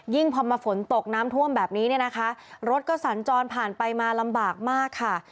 พอมาฝนตกน้ำท่วมแบบนี้เนี่ยนะคะรถก็สัญจรผ่านไปมาลำบากมากค่ะ